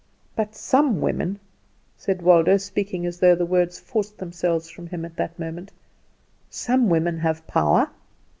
"But some women," said Waldo, speaking as though the words forced themselves from him at that moment, "some women have power."